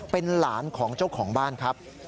เป็นหลานของเจ้าของบ้านครับ